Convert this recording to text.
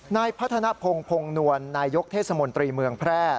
นายพัฒนภงพงนวลนายยกเทศมนตรีเมืองแพร่